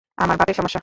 আমার বাতের সমস্যা।